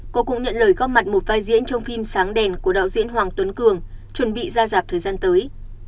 cô cũng nhận lời góp mặt một vai diễn trong phim sáng đèn của đạo diễn hoàng tuấn cường chuẩn bị ra dạp thời gian tới